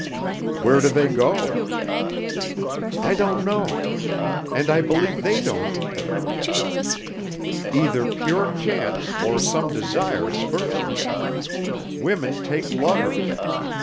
"Where do they go?" "I don't know. And I believe they don't either. Either pure chance or some desire spurs them. Women take lovers.